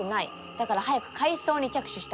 だから早く改装に着手したい。